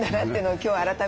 今日改めて。